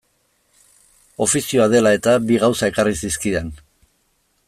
Ofizioa dela-eta, bi gauza ekarri zizkidan.